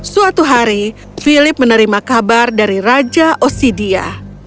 suatu hari philip menerima kabar dari raja osidia